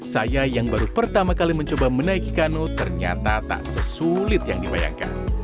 saya yang baru pertama kali mencoba menaiki kanu ternyata tak sesulit yang dibayangkan